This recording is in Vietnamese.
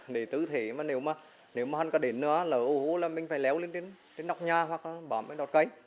để tư thế mà nếu mà hắn có đến nữa là ô hưu là mình phải léo lên trên đọc nhà hoặc bỏ mấy đọc cây